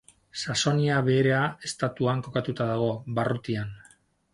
Saxonia Beherea estatuan kokatuta dago, barrutian.